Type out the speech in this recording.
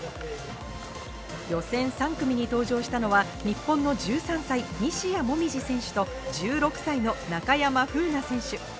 予選３組に登場したのは日本の１３歳、西矢椛選手と１６歳の中山楓奈選手。